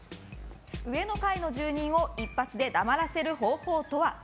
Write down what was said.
上の階の住人を一発で黙らせる方法とは？